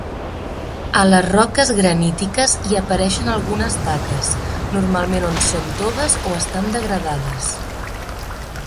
A les roques granítiques hi apareixen algunes taques, normalment on són toves o estan degradades.